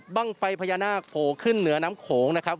ไฟพญานาคโผล่ขึ้นเหนือน้ำโขงนะครับ